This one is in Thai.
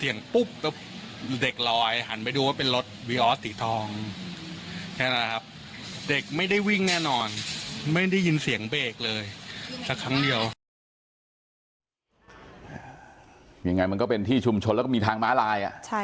ยังไงมันก็เป็นที่ชุมชนแล้วก็มีทางม้าลาย